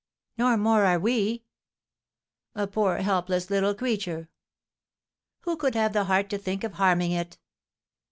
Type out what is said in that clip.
"Nor more are we!" "A poor, helpless, little creature!" "Who could have the heart to think of harming it?"